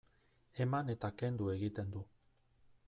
Eman eta kendu egiten du.